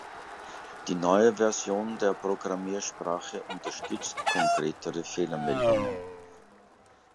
Die neue Version der Programmiersprache unterstützt konkretere Fehlermeldungen.